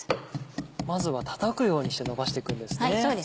まずはたたくようにしてのばしていくんですね。